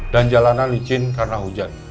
dan jalannya licin karena hujan